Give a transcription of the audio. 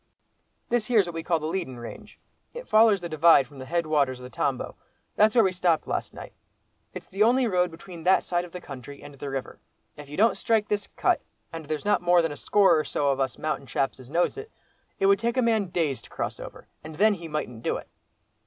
"This here's what we call the leadin' range; it follers the divide from the head waters of the Tambo; that's where we stopped last night. It's the only road between that side of the country and the river. If you don't strike this 'cut,' and there's not more than a score or so of us mountain chaps as knows it, it would take a man days to cross over, and then he mightn't do it."